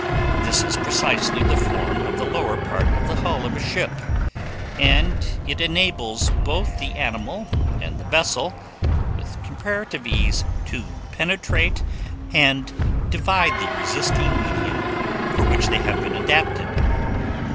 This is precisely the form of the lower part of the hull of a ship; and it enables both the animal and the vessel, with comparative ease, to penetrate and divide the resisting medium for which they have been adapted.